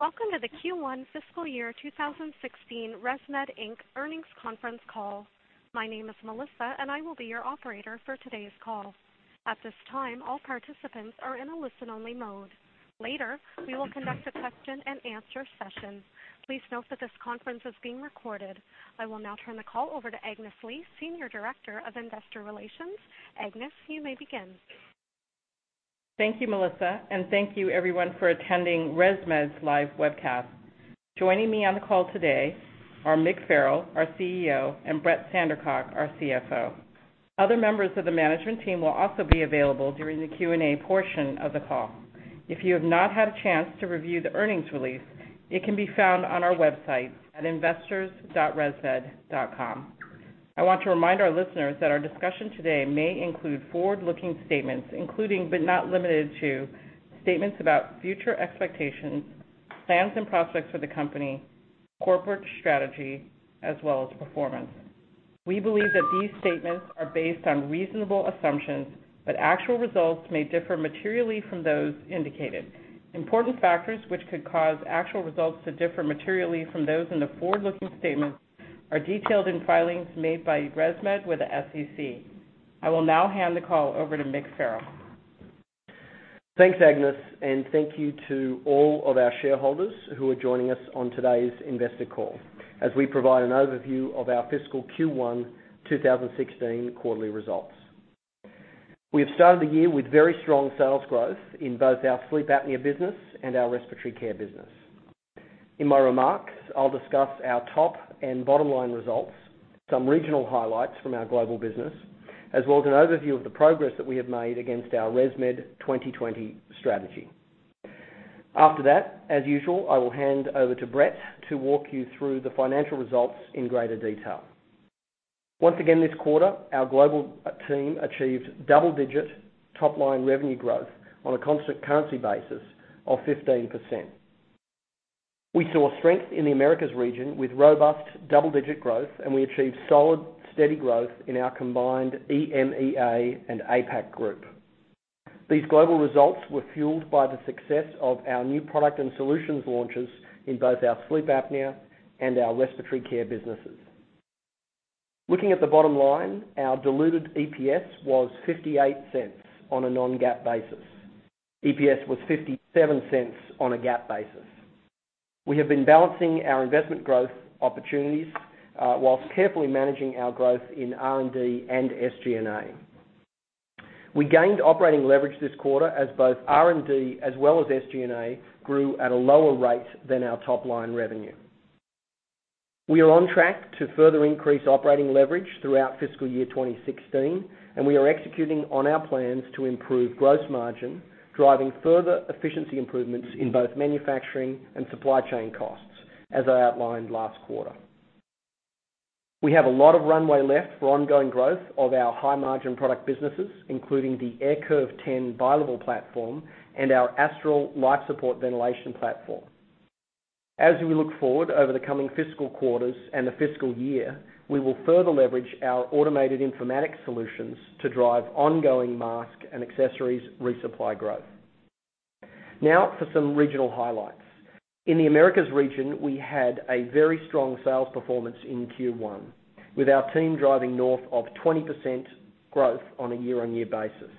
Welcome to the Q1 fiscal year 2016 ResMed Inc. earnings conference call. My name is Melissa, and I will be your operator for today's call. At this time, all participants are in a listen-only mode. Later, we will conduct a question and answer session. Please note that this conference is being recorded. I will now turn the call over to Agnes Lee, Senior Director of Investor Relations. Agnes, you may begin. Thank you, Melissa, and thank you everyone for attending ResMed's live webcast. Joining me on the call today are Mick Farrell, our CEO, and Brett Sandercock, our CFO. Other members of the management team will also be available during the Q&A portion of the call. If you have not had a chance to review the earnings release, it can be found on our website at investors.resmed.com. I want to remind our listeners that our discussion today may include forward-looking statements including, but not limited to, statements about future expectations, plans and prospects for the company, corporate strategy, as well as performance. We believe that these statements are based on reasonable assumptions, but actual results may differ materially from those indicated. Important factors which could cause actual results to differ materially from those in the forward-looking statements are detailed in filings made by ResMed with the SEC. I will now hand the call over to Mick Farrell. Thanks, Agnes, and thank you to all of our shareholders who are joining us on today's investor call, as we provide an overview of our fiscal Q1 2016 quarterly results. We have started the year with very strong sales growth in both our sleep apnea business and our respiratory care business. In my remarks, I'll discuss our top and bottom-line results, some regional highlights from our global business, as well as an overview of the progress that we have made against our ResMed 2020 strategy. After that, as usual, I will hand over to Brett to walk you through the financial results in greater detail. Once again this quarter, our global team achieved double-digit top-line revenue growth on a constant currency basis of 15%. We saw strength in the Americas region with robust double-digit growth, and we achieved solid, steady growth in our combined EMEA and APAC group. These global results were fueled by the success of our new product and solutions launches in both our sleep apnea and our respiratory care businesses. Looking at the bottom line, our diluted EPS was $0.58 on a non-GAAP basis. EPS was $0.57 on a GAAP basis. We have been balancing our investment growth opportunities, whilst carefully managing our growth in R&D and SG&A. We gained operating leverage this quarter as both R&D as well as SG&A grew at a lower rate than our top-line revenue. We are on track to further increase operating leverage throughout fiscal year 2016. We are executing on our plans to improve gross margin, driving further efficiency improvements in both manufacturing and supply chain costs, as I outlined last quarter. We have a lot of runway left for ongoing growth of our high-margin product businesses, including the AirCurve 10 bilevel platform and our Astral life support ventilation platform. As we look forward over the coming fiscal quarters and the fiscal year, we will further leverage our automated informatics solutions to drive ongoing mask and accessories resupply growth. Now for some regional highlights. In the Americas region, we had a very strong sales performance in Q1, with our team driving north of 20% growth on a year-on-year basis.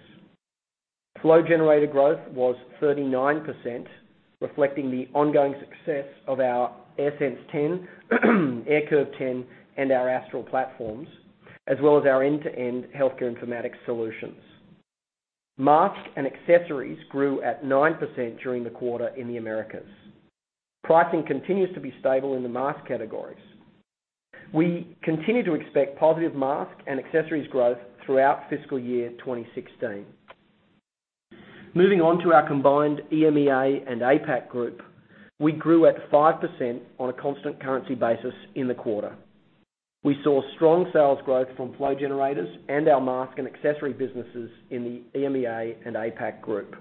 Flow generator growth was 39%, reflecting the ongoing success of our AirSense 10, AirCurve 10, and our Astral platforms, as well as our end-to-end healthcare informatics solutions. Mask and accessories grew at 9% during the quarter in the Americas. Pricing continues to be stable in the mask categories. We continue to expect positive mask and accessories growth throughout fiscal year 2016. Moving on to our combined EMEA and APAC group, we grew at 5% on a constant currency basis in the quarter. We saw strong sales growth from flow generators and our mask and accessory businesses in the EMEA and APAC group.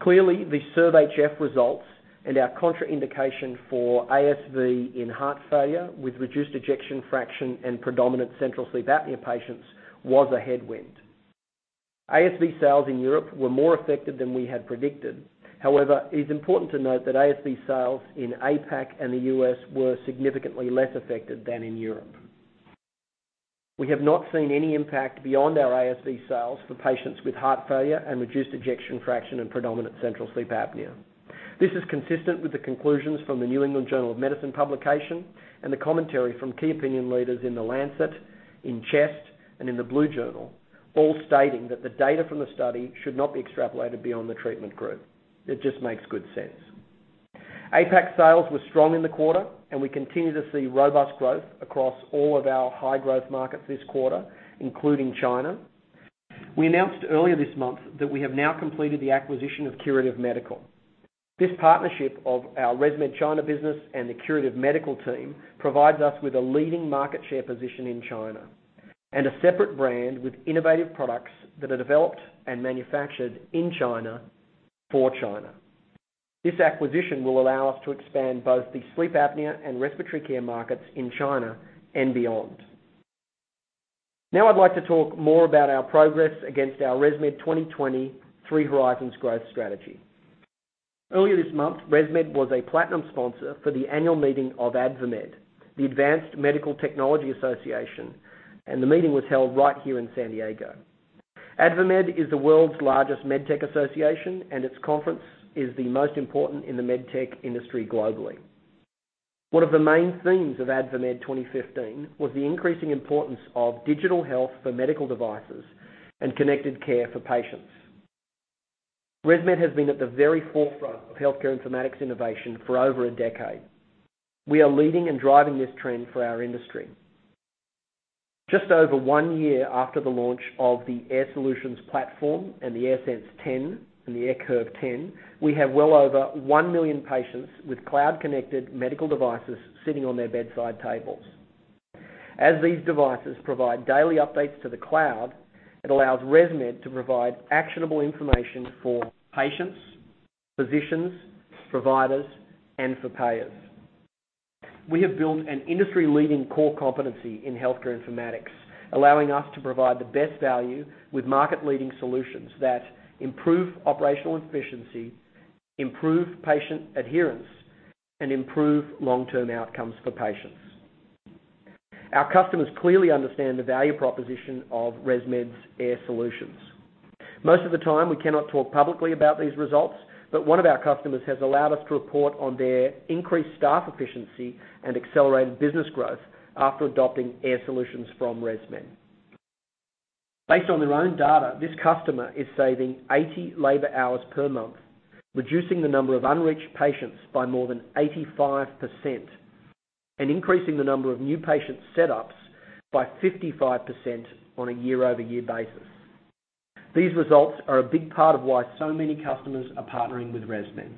Clearly, the SERVE-HF results and our contraindication for ASV in heart failure with reduced ejection fraction in predominant central sleep apnea patients was a headwind. ASV sales in Europe were more affected than we had predicted. However, it is important to note that ASV sales in APAC and the U.S. were significantly less affected than in Europe. We have not seen any impact beyond our ASV sales for patients with heart failure and reduced ejection fraction in predominant central sleep apnea. This is consistent with the conclusions from the "New England Journal of Medicine" publication and the commentary from key opinion leaders in "The Lancet," in "Chest," and in the "Blue Journal," all stating that the data from the study should not be extrapolated beyond the treatment group. It just makes good sense. APAC sales were strong in the quarter. We continue to see robust growth across all of our high-growth markets this quarter, including China. We announced earlier this month that we have now completed the acquisition of Curative Medical. This partnership of our ResMed China business and the Curative Medical team provides us with a leading market share position in China and a separate brand with innovative products that are developed and manufactured in China for China. This acquisition will allow us to expand both the sleep apnea and respiratory care markets in China and beyond. Now I'd like to talk more about our progress against our ResMed 2020 Three Horizons growth strategy. Earlier this month, ResMed was a platinum sponsor for the annual meeting of AdvaMed, the Advanced Medical Technology Association, and the meeting was held right here in San Diego. AdvaMed is the world's largest med tech association, and its conference is the most important in the med tech industry globally. One of the main themes of AdvaMed 2015 was the increasing importance of digital health for medical devices and connected care for patients. ResMed has been at the very forefront of healthcare informatics innovation for over a decade. We are leading and driving this trend for our industry. Just over one year after the launch of the Air Solutions platform and the AirSense 10 and the AirCurve 10, we have well over one million patients with cloud-connected medical devices sitting on their bedside tables. As these devices provide daily updates to the cloud, it allows ResMed to provide actionable information for patients, physicians, providers, and for payers. We have built an industry-leading core competency in healthcare informatics, allowing us to provide the best value with market-leading solutions that improve operational efficiency, improve patient adherence, and improve long-term outcomes for patients. Our customers clearly understand the value proposition of ResMed's Air Solutions. Most of the time, we cannot talk publicly about these results, but one of our customers has allowed us to report on their increased staff efficiency and accelerated business growth after adopting Air Solutions from ResMed. Based on their own data, this customer is saving 80 labor hours per month, reducing the number of unreached patients by more than 85%, and increasing the number of new patient setups by 55% on a year-over-year basis. These results are a big part of why so many customers are partnering with ResMed.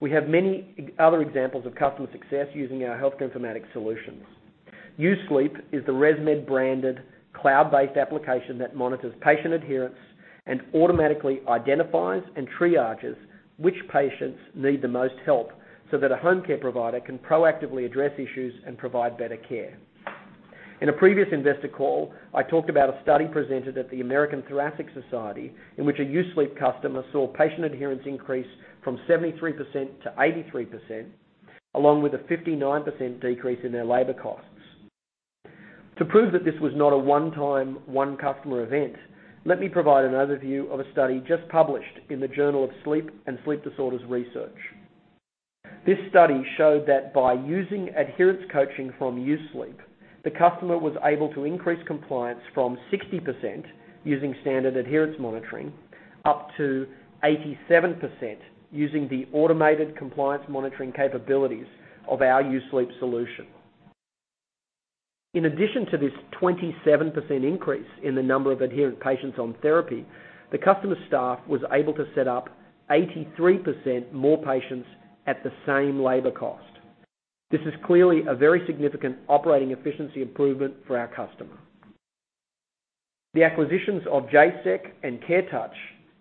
We have many other examples of customer success using our healthcare informatics solutions. U-Sleep is the ResMed-branded cloud-based application that monitors patient adherence and automatically identifies and triages which patients need the most help, so that a home care provider can proactively address issues and provide better care. In a previous investor call, I talked about a study presented at the American Thoracic Society, in which a U-Sleep customer saw patient adherence increase from 73% to 83%, along with a 59% decrease in their labor costs. To prove that this was not a one-time, one-customer event, let me provide an overview of a study just published in the Journal of Sleep and Sleep Disorder Research. This study showed that by using adherence coaching from U-Sleep, the customer was able to increase compliance from 60% using standard adherence monitoring, up to 87% using the automated compliance monitoring capabilities of our U-Sleep solution. In addition to this 27% increase in the number of adherent patients on therapy, the customer staff was able to set up 83% more patients at the same labor cost. This is clearly a very significant operating efficiency improvement for our customer. The acquisitions of Jaysec and CareTouch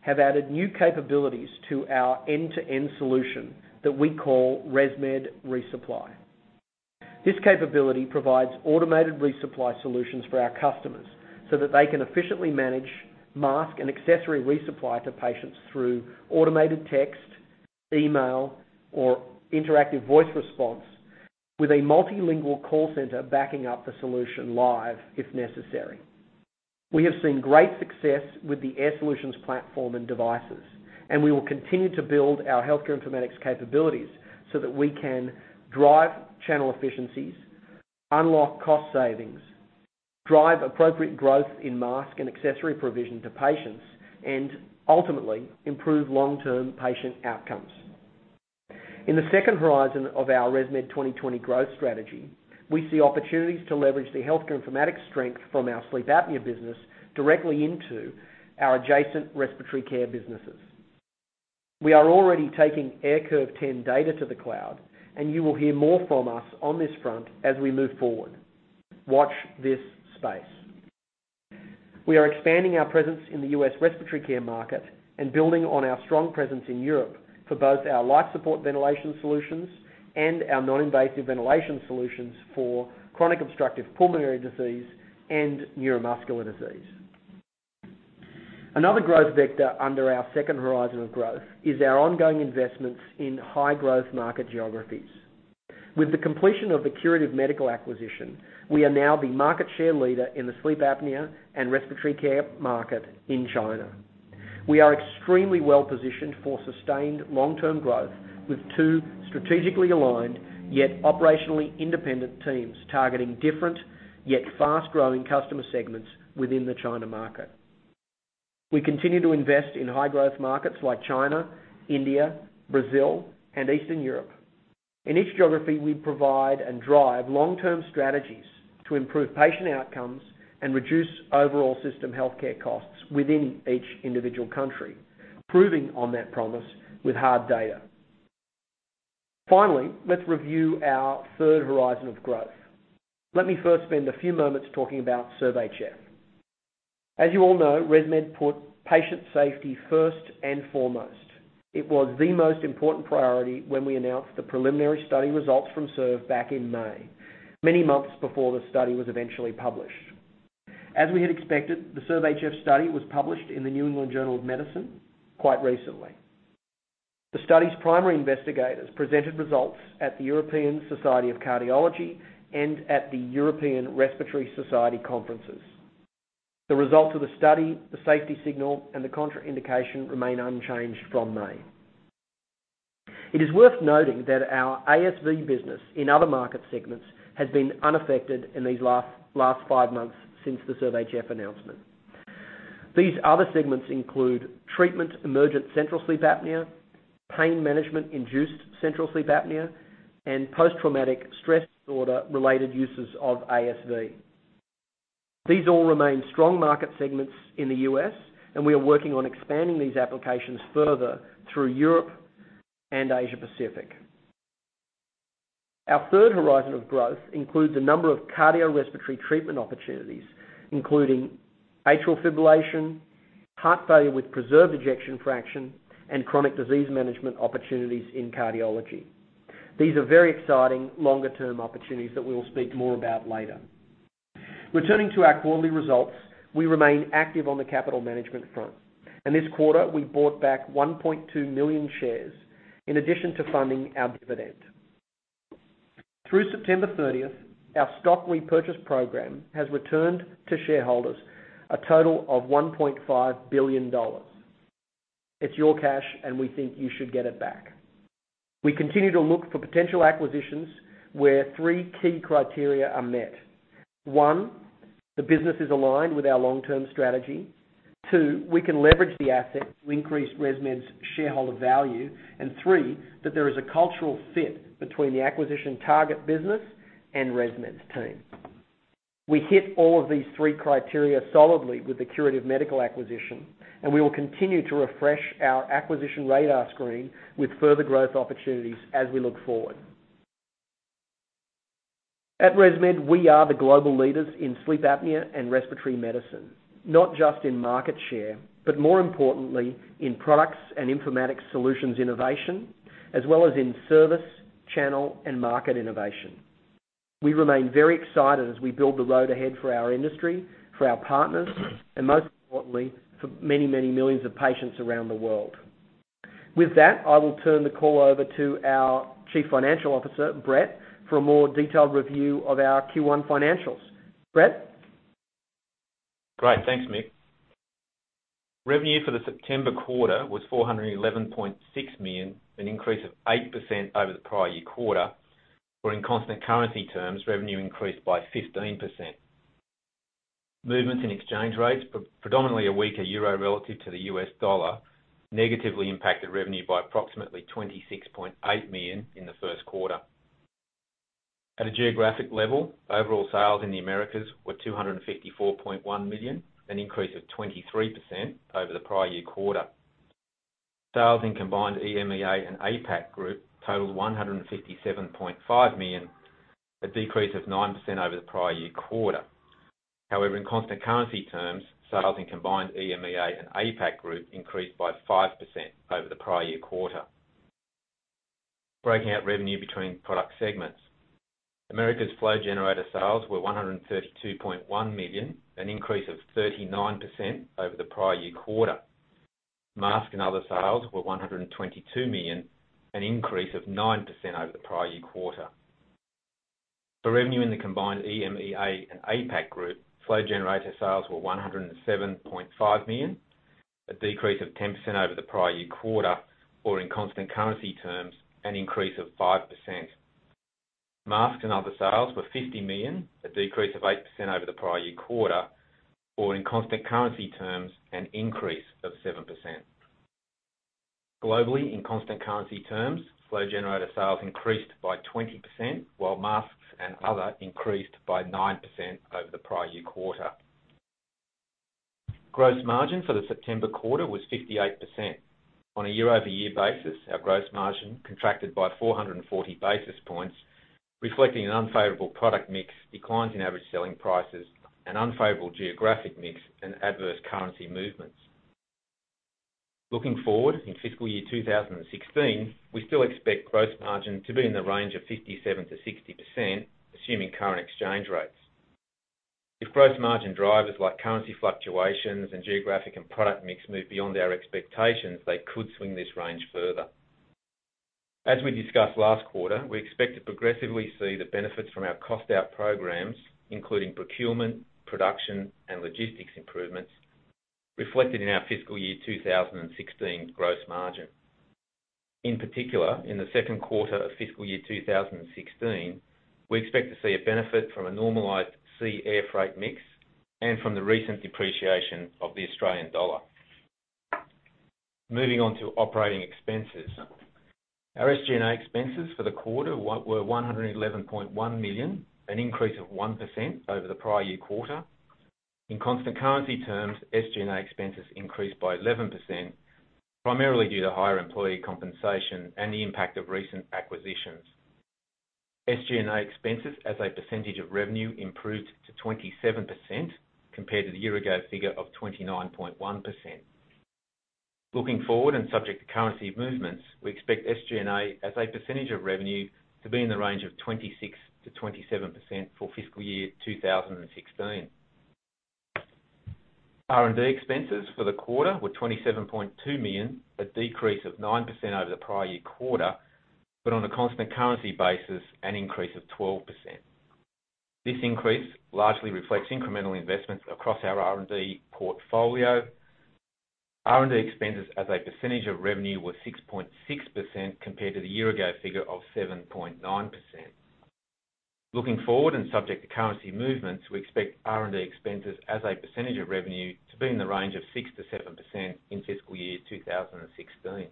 have added new capabilities to our end-to-end solution that we call ResMed Resupply. This capability provides automated resupply solutions for our customers, so that they can efficiently manage mask and accessory resupply to patients through automated text, email, or interactive voice response with a multilingual call center backing up the solution live if necessary. We have seen great success with the Air Solutions platform and devices, and we will continue to build our healthcare informatics capabilities so that we can drive channel efficiencies, unlock cost savings, drive appropriate growth in mask and accessory provision to patients, and ultimately, improve long-term patient outcomes. In the second horizon of our ResMed 2020 growth strategy, we see opportunities to leverage the healthcare informatics strength from our sleep apnea business directly into our adjacent respiratory care businesses. We are already taking AirCurve 10 data to the cloud, and you will hear more from us on this front as we move forward. Watch this space. We are expanding our presence in the U.S. respiratory care market and building on our strong presence in Europe for both our life support ventilation solutions and our non-invasive ventilation solutions for chronic obstructive pulmonary disease and neuromuscular disease. Another growth vector under our second horizon of growth is our ongoing investments in high-growth market geographies. With the completion of the Curative Medical acquisition, we are now the market share leader in the sleep apnea and respiratory care market in China. We are extremely well-positioned for sustained long-term growth with two strategically aligned, yet operationally independent teams targeting different, yet fast-growing customer segments within the China market. We continue to invest in high-growth markets like China, India, Brazil, and Eastern Europe. In each geography, we provide and drive long-term strategies to improve patient outcomes and reduce overall system healthcare costs within each individual country, improving on that promise with hard data. Let's review our third horizon of growth. Let me first spend a few moments talking about SERVE. As you all know, ResMed put patient safety first and foremost. It was the most important priority when we announced the preliminary study results from SERVE back in May, many months before the study was eventually published. As we had expected, the SERVE-HF study was published in "The New England Journal of Medicine" quite recently. The study's primary investigators presented results at the European Society of Cardiology and at the European Respiratory Society conferences. The results of the study, the safety signal, and the contraindication remain unchanged from May. It is worth noting that our ASV business in other market segments has been unaffected in these last five months since the SERVE-HF announcement. These other segments include treatment emergent central sleep apnea, pain management induced central sleep apnea, and post-traumatic stress disorder related uses of ASV. These all remain strong market segments in the U.S., and we are working on expanding these applications further through Europe and Asia Pacific. Our third horizon of growth includes a number of cardiorespiratory treatment opportunities, including atrial fibrillation, heart failure with preserved ejection fraction, and chronic disease management opportunities in cardiology. These are very exciting longer-term opportunities that we will speak more about later. Returning to our quarterly results, we remain active on the capital management front. In this quarter, we bought back 1.2 million shares, in addition to funding our dividend. Through September 30th, our stock repurchase program has returned to shareholders a total of $1.5 billion. It's your cash, and we think you should get it back. We continue to look for potential acquisitions where three key criteria are met: one, the business is aligned with our long-term strategy, two, we can leverage the asset to increase ResMed's shareholder value, and three, that there is a cultural fit between the acquisition target business and ResMed's team. We hit all of these three criteria solidly with the Curative Medical acquisition, and we will continue to refresh our acquisition radar screen with further growth opportunities as we look forward. At ResMed, we are the global leaders in sleep apnea and respiratory medicine, not just in market share, but more importantly, in products and informatics solutions innovation, as well as in service, channel, and market innovation. We remain very excited as we build the road ahead for our industry, for our partners, and most importantly, for many millions of patients around the world. With that, I will turn the call over to our Chief Financial Officer, Brett, for a more detailed review of our Q1 financials. Brett? Great. Thanks, Mick. Revenue for the September quarter was $411.6 million, an increase of 8% over the prior-year quarter. In constant currency terms, revenue increased by 15%. Movements in exchange rates, predominantly a weaker euro relative to the U.S. dollar, negatively impacted revenue by approximately $26.8 million in the first quarter. At a geographic level, overall sales in the Americas were $254.1 million, an increase of 23% over the prior-year quarter. Sales in combined EMEA and APAC group totaled $157.5 million, a decrease of 9% over the prior-year quarter. In constant currency terms, sales in combined EMEA and APAC group increased by 5% over the prior-year quarter. Breaking out revenue between product segments. Americas flow generator sales were $132.1 million, an increase of 39% over the prior-year quarter. Mask and other sales were $122 million, an increase of 9% over the prior-year quarter. The revenue in the combined EMEA and APAC group, flow generator sales were $107.5 million, a decrease of 10% over the prior-year quarter, or in constant currency terms, an increase of 5%. Masks and other sales were $50 million, a decrease of 8% over the prior-year quarter, or in constant currency terms, an increase of 7%. Globally, in constant currency terms, flow generator sales increased by 20%, while masks and other increased by 9% over the prior-year quarter. Gross margin for the September quarter was 58%. On a year-over-year basis, our gross margin contracted by 440 basis points, reflecting an unfavorable product mix, declines in average selling prices, an unfavorable geographic mix, and adverse currency movements. Looking forward, in fiscal year 2016, we still expect gross margin to be in the range of 57%-60%, assuming current exchange rates. If gross margin drivers like currency fluctuations and geographic and product mix move beyond our expectations, they could swing this range further. As we discussed last quarter, we expect to progressively see the benefits from our cost-out programs, including procurement, production, and logistics improvements, reflected in our fiscal year 2016 gross margin. In particular, in the second quarter of fiscal year 2016, we expect to see a benefit from a normalized sea/air freight mix and from the recent depreciation of the Australian dollar. Moving on to operating expenses. Our SG&A expenses for the quarter were $111.1 million, an increase of 1% over the prior-year quarter. In constant currency terms, SG&A expenses increased by 11%, primarily due to higher employee compensation and the impact of recent acquisitions. SG&A expenses as a percentage of revenue improved to 27% compared to the year-ago figure of 29.1%. Looking forward, and subject to currency movements, we expect SG&A as a percentage of revenue to be in the range of 26%-27% for fiscal year 2016. R&D expenses for the quarter were $27.2 million, a decrease of 9% over the prior-year quarter, but on a constant currency basis, an increase of 12%. This increase largely reflects incremental investments across our R&D portfolio. R&D expenses as a percentage of revenue were 6.6% compared to the year-ago figure of 7.9%. Looking forward, and subject to currency movements, we expect R&D expenses as a percentage of revenue to be in the range of 6%-7% in fiscal year 2016.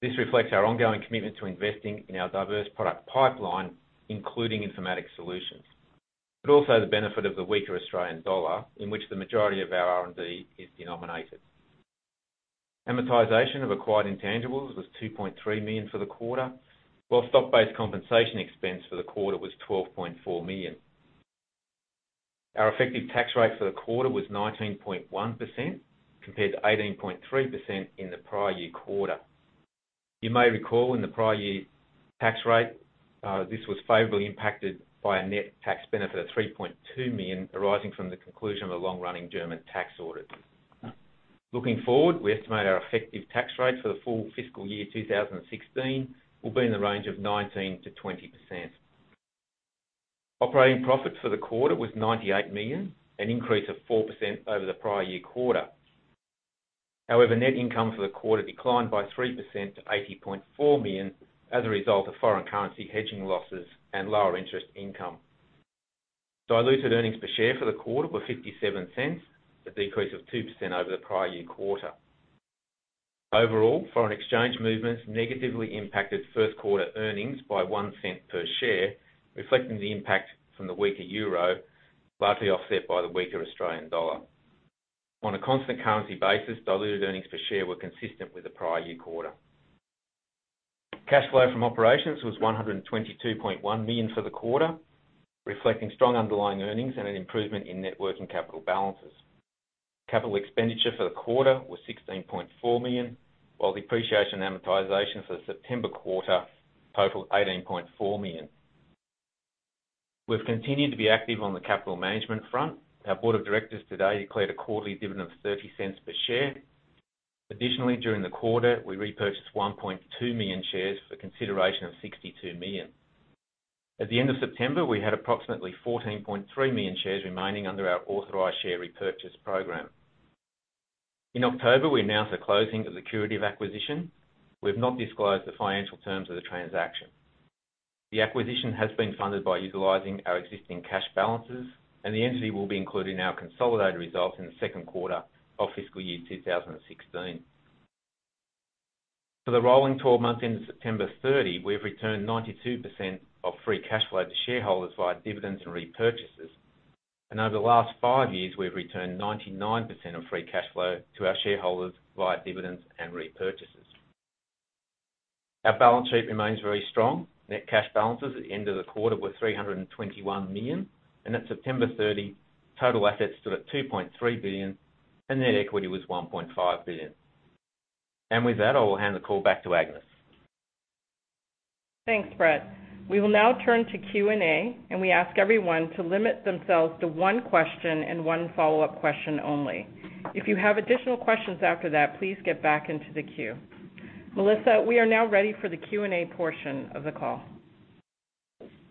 This reflects our ongoing commitment to investing in our diverse product pipeline, including informatics solutions, but also the benefit of the weaker Australian dollar, in which the majority of our R&D is denominated. Amortization of acquired intangibles was $2.3 million for the quarter, while stock-based compensation expense for the quarter was $12.4 million. Our effective tax rate for the quarter was 19.1% compared to 18.3% in the prior-year quarter. You may recall in the prior-year tax rate, this was favorably impacted by a net tax benefit of $3.2 million arising from the conclusion of a long-running German tax audit. Looking forward, we estimate our effective tax rate for the full fiscal year 2016 will be in the range of 19%-20%. Operating profit for the quarter was $98 million, an increase of 4% over the prior-year quarter. Net income for the quarter declined by 3% to $80.4 million as a result of foreign currency hedging losses and lower interest income. Diluted earnings per share for the quarter were $0.57, a decrease of 2% over the prior-year quarter. Overall, foreign exchange movements negatively impacted first quarter earnings by $0.01 per share, reflecting the impact from the weaker euro, largely offset by the weaker Australian dollar. On a constant currency basis, diluted earnings per share were consistent with the prior-year quarter. Cash flow from operations was $122.1 million for the quarter, reflecting strong underlying earnings and an improvement in net working capital balances. Capital expenditure for the quarter was $16.4 million, while depreciation and amortization for the September quarter totaled $18.4 million. We've continued to be active on the capital management front. Our board of directors today declared a quarterly dividend of $0.30 per share. Additionally, during the quarter, we repurchased 1.2 million shares for consideration of $62 million. At the end of September, we had approximately 14.3 million shares remaining under our authorized share repurchase program. In October, we announced the closing of the Curative acquisition. We've not disclosed the financial terms of the transaction. The acquisition has been funded by utilizing our existing cash balances, and the entity will be included in our consolidated results in the second quarter of fiscal year 2016. For the rolling 12 months ending September 30, we've returned 92% of free cash flow to shareholders via dividends and repurchases. Over the last five years, we've returned 99% of free cash flow to our shareholders via dividends and repurchases. Our balance sheet remains very strong. Net cash balances at the end of the quarter were $321 million, and at September 30, total assets stood at $2.3 billion and net equity was $1.5 billion. With that, I will hand the call back to Agnes. Thanks, Brett. We will now turn to Q&A, and we ask everyone to limit themselves to one question and one follow-up question only. If you have additional questions after that, please get back into the queue. Melissa, we are now ready for the Q&A portion of the call.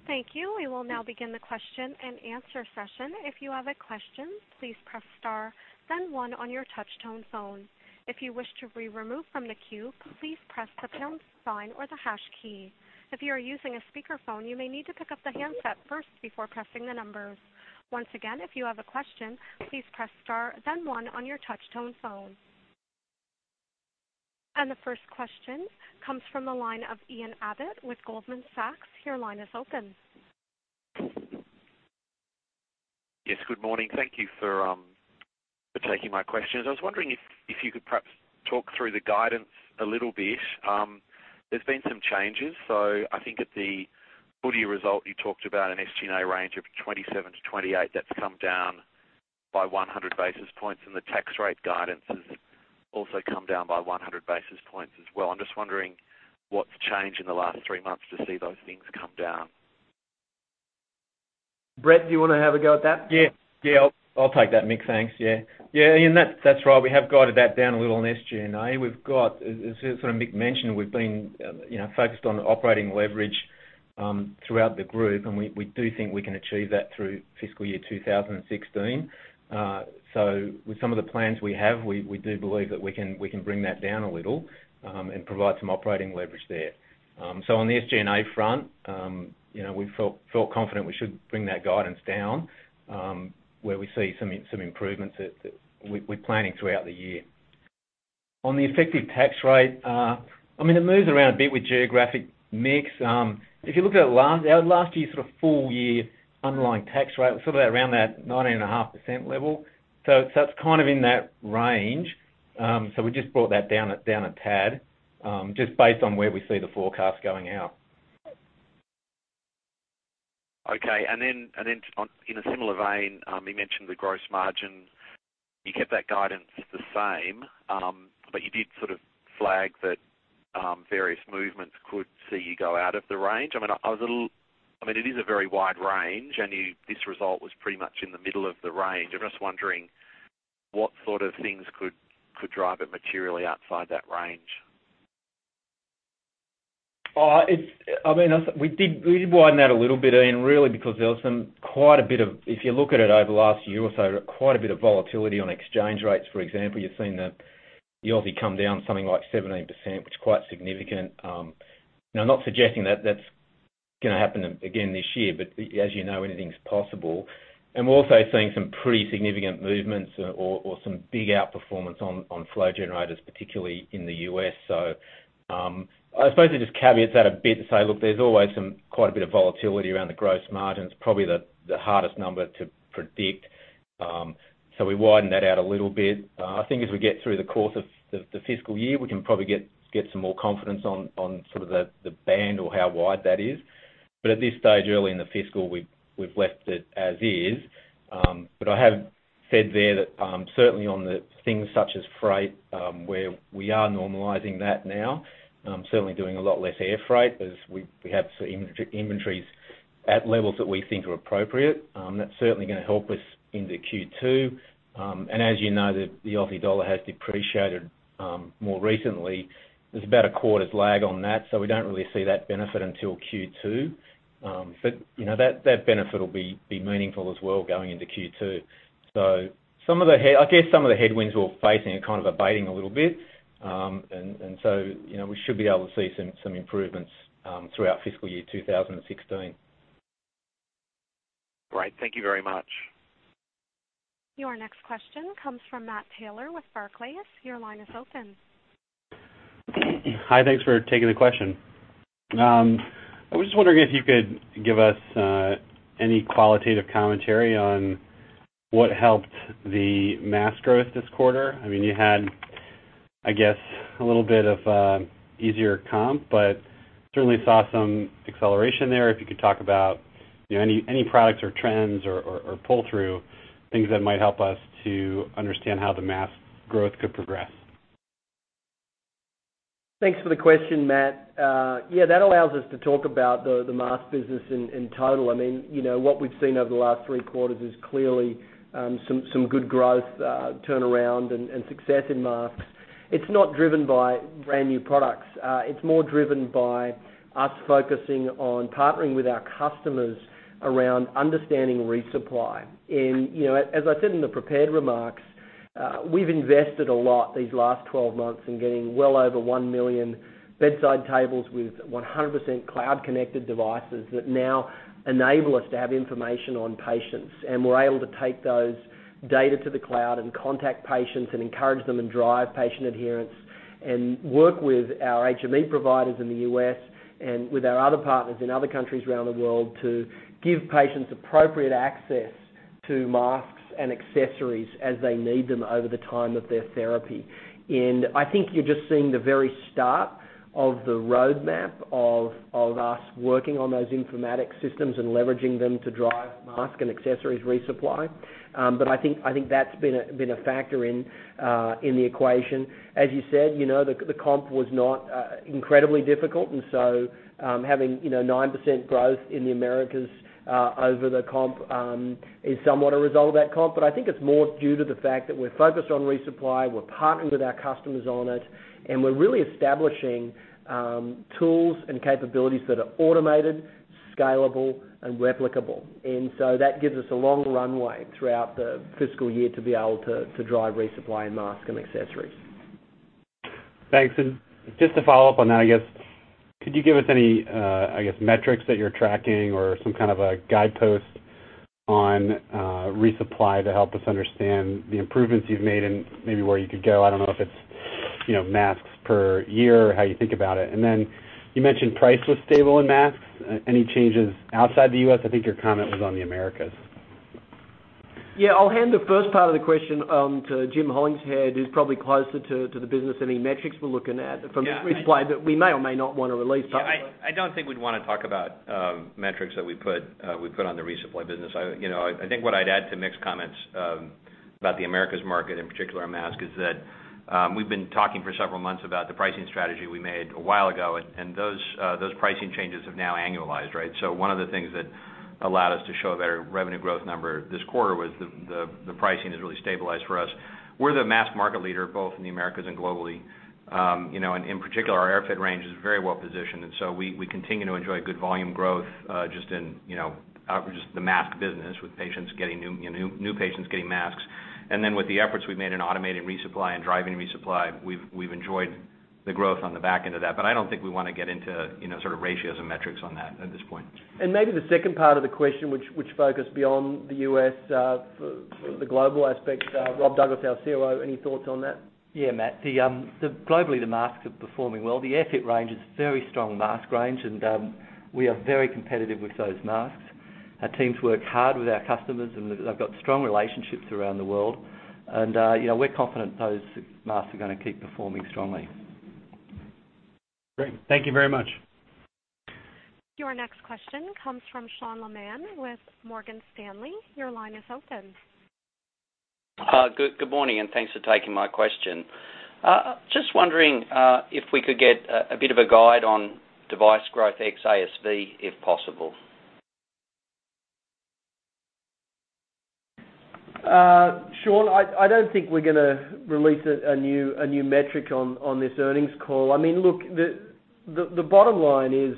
Thank you. We will now begin the question-and-answer session. If you have a question, please press star then one on your touch tone phone. If you wish to be removed from the queue, please press the pound sign or the hash key. If you are using a speakerphone, you may need to pick up the handset first before pressing the numbers. Once again, if you have a question, please press star then one on your touch tone phone. The first question comes from the line of Ian Abbott with Goldman Sachs. Your line is open. Yes. Good morning. Thank you for taking my questions. I was wondering if you could perhaps talk through the guidance a little bit. There's been some changes. I think at the full year result, you talked about an SG&A range of 27%-28%. That's come down by 100 basis points, and the tax rate guidance has also come down by 100 basis points as well. I'm just wondering what's changed in the last three months to see those things come down. Brett, do you want to have a go at that? I'll take that, Mick, thanks. Ian, that's right. We have guided that down a little on SG&A. As Mick mentioned, we've been focused on operating leverage throughout the group, and we do think we can achieve that through fiscal year 2016. With some of the plans we have, we do believe that we can bring that down a little and provide some operating leverage there. On the SG&A front, we felt confident we should bring that guidance down, where we see some improvements that we're planning throughout the year. On the effective tax rate, it moves around a bit with geographic mix. If you look at last year's full-year underlying tax rate, it was around that 19.5% level. It's in that range. We just brought that down a tad, just based on where we see the forecast going out. Okay. Then in a similar vein, you mentioned the gross margin. You kept that guidance the same, but you did sort of flag that various movements could see you go out of the range. It is a very wide range, and this result was pretty much in the middle of the range. I'm just wondering what sort of things could drive it materially outside that range. We did widen that a little bit, Ian, really because if you look at it over the last year or so, quite a bit of volatility on exchange rates, for example. You've seen the AUD come down something like 17%, which is quite significant. I'm not suggesting that's going to happen again this year, but as you know, anything's possible. We're also seeing some pretty significant movements or some big outperformance on flow generators, particularly in the U.S. I suppose I'd just caveat that a bit and say, look, there's always quite a bit of volatility around the gross margins, probably the hardest number to predict. We widened that out a little bit. I think as we get through the course of the fiscal year, we can probably get some more confidence on the band or how wide that is. At this stage, early in the fiscal, we've left it as is. I have said there that certainly on the things such as freight, where we are normalizing that now, certainly doing a lot less air freight as we have inventories at levels that we think are appropriate. That's certainly going to help us into Q2. As you know, the AUD has depreciated more recently. There's about a quarter's lag on that, so we don't really see that benefit until Q2. That benefit will be meaningful as well going into Q2. I guess some of the headwinds we're facing are kind of abating a little bit, and so we should be able to see some improvements throughout FY 2016. Great. Thank you very much. Your next question comes from Matt Taylor with Barclays. Your line is open. Hi, thanks for taking the question. I was just wondering if you could give us any qualitative commentary on what helped the mask growth this quarter. You had, I guess, a little bit of easier comp, certainly saw some acceleration there. If you could talk about any products or trends or pull-through, things that might help us to understand how the mask growth could progress. Thanks for the question, Matt. Yeah, that allows us to talk about the mask business in total. What we've seen over the last three quarters is clearly some good growth turnaround and success in masks. It's not driven by brand-new products. It's more driven by us focusing on partnering with our customers around understanding resupply. As I said in the prepared remarks, we've invested a lot these last 12 months in getting well over 1 million bedside tables with 100% cloud-connected devices that now enable us to have information on patients. We're able to take those data to the cloud and contact patients and encourage them and drive patient adherence and work with our HME providers in the U.S. and with our other partners in other countries around the world to give patients appropriate access to masks and accessories as they need them over the time of their therapy. I think you're just seeing the very start of the roadmap of us working on those informatics systems and leveraging them to drive mask and accessories resupply. I think that's been a factor in the equation. As you said, the comp was not incredibly difficult, having 9% growth in the Americas over the comp is somewhat a result of that comp. I think it's more due to the fact that we're focused on resupply, we're partnered with our customers on it, and we're really establishing tools and capabilities that are automated, scalable, and replicable. That gives us a long runway throughout the fiscal year to be able to drive resupply in mask and accessories. Thanks. Just to follow up on that, I guess, could you give us any metrics that you're tracking or some kind of a guidepost on resupply to help us understand the improvements you've made and maybe where you could go? I don't know if it's masks per year or how you think about it. You mentioned price was stable in masks. Any changes outside the U.S.? I think your comment was on the Americas. I'll hand the first part of the question to Jim Hollingshead, who's probably closer to the business. Any metrics we're looking at from resupply that we may or may not want to release publicly? I don't think we'd want to talk about metrics that we put on the resupply business. I think what I'd add to Mick's comments about the Americas market, in particular masks, is that we've been talking for several months about the pricing strategy we made a while ago, and those pricing changes have now annualized, right? One of the things that allowed us to show a better revenue growth number this quarter was the pricing has really stabilized for us. We're the mask market leader, both in the Americas and globally. In particular, our AirFit range is very well-positioned, we continue to enjoy good volume growth just in the mask business with new patients getting masks. With the efforts we've made in automating resupply and driving resupply, we've enjoyed the growth on the back end of that. I don't think we want to get into ratios and metrics on that at this point. Maybe the second part of the question, which focused beyond the U.S., the global aspect, Rob Douglas, our COO, any thoughts on that? Yeah, Matt. Globally, the masks are performing well. The AirFit range is a very strong mask range, and we are very competitive with those masks. Our teams work hard with our customers, and they've got strong relationships around the world. We're confident those masks are going to keep performing strongly. Great. Thank you very much. Your next question comes from Sean Laaman with Morgan Stanley. Your line is open. Good morning, and thanks for taking my question. Just wondering if we could get a bit of a guide on device growth ex ASV, if possible. Sean, I don't think we're going to release a new metric on this earnings call. Look, the bottom line is,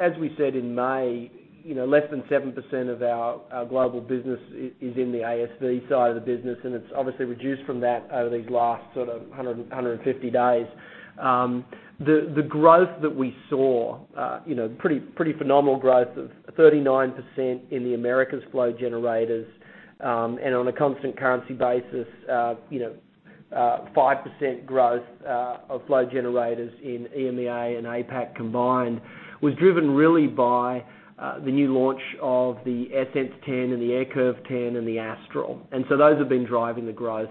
as we said in May, less than 7% of our global business is in the ASV side of the business, and it's obviously reduced from that over these last sort of 150 days. The growth that we saw, pretty phenomenal growth of 39% in the Americas flow generators, and on a constant currency basis, 5% growth of flow generators in EMEA and APAC combined, was driven really by the new launch of the AirSense 10 and the AirCurve 10 and the Astral. Those have been driving the growth.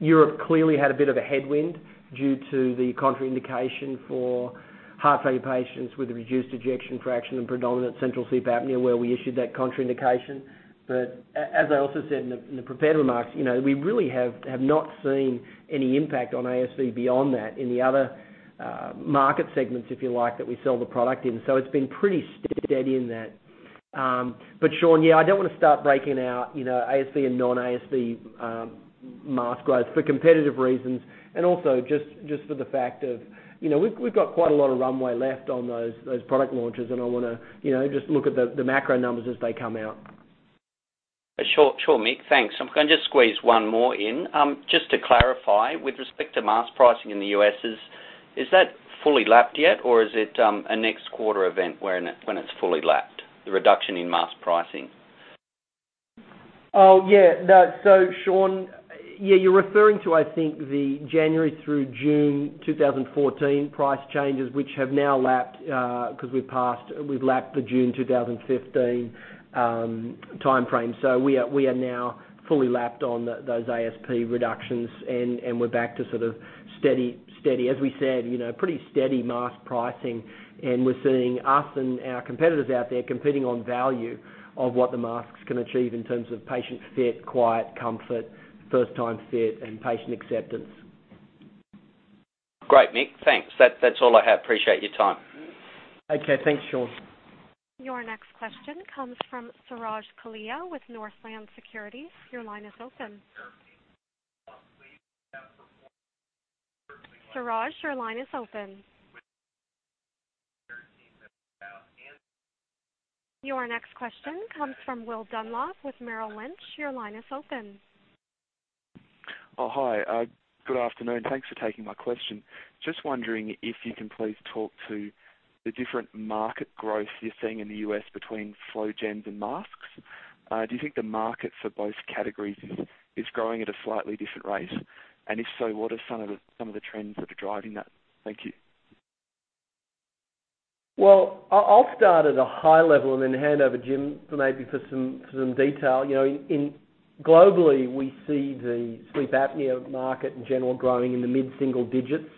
Europe clearly had a bit of a headwind due to the contraindication for heart failure patients with a reduced ejection fraction and predominant central sleep apnea, where we issued that contraindication. As I also said in the prepared remarks, we really have not seen any impact on ASV beyond that in the other market segments, if you like, that we sell the product in. It's been pretty steady in that. Sean, yeah, I don't want to start breaking out ASV and non-ASV mask growth for competitive reasons and also just for the fact of we've got quite a lot of runway left on those product launches, and I want to just look at the macro numbers as they come out. Sure, Mick, thanks. I'm going to just squeeze one more in. Just to clarify, with respect to mask pricing in the U.S., is that fully lapped yet, or is it a next quarter event when it's fully lapped, the reduction in mask pricing? Sean, you're referring to, I think, the January through June 2014 price changes, which have now lapped, because we've lapped the June 2015 timeframe. We are now fully lapped on those ASP reductions, and we're back to sort of steady, as we said, pretty steady mask pricing. We're seeing us and our competitors out there competing on value of what the masks can achieve in terms of patient fit, quiet comfort, first time fit, and patient acceptance. Great, Mick. Thanks. That's all I have. Appreciate your time. Okay. Thanks, Sean. Your next question comes from Suraj Kalia with Northland Securities. Your line is open. Suraj, your line is open. Your next question comes from Sean Dunlop with Merrill Lynch. Your line is open. Hi. Good afternoon. Thanks for taking my question. Just wondering if you can please talk to the different market growth you're seeing in the U.S. between flow gens and masks. Do you think the market for both categories is growing at a slightly different rate? If so, what are some of the trends that are driving that? Thank you. Well, I'll start at a high level and then hand over Jim maybe for some detail. Globally, we see the sleep apnea market in general growing in the mid-single digits.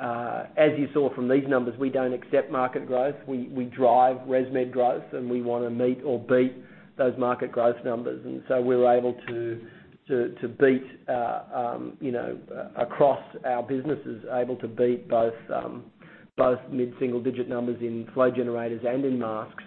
As you saw from these numbers, we don't accept market growth. We drive ResMed growth. We want to meet or beat those market growth numbers. We were, across our businesses, able to beat both mid-single digit numbers in flow generators and in masks.